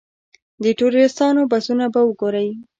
د ټوریسټانو بسونه به وګورئ.